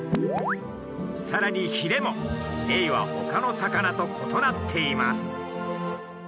さらにひれもエイはほかの魚と異なっています。